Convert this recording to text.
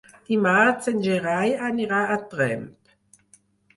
Dimarts en Gerai anirà a Tremp.